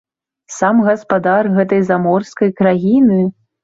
Сам гаспадар гэтай заморскай краіны.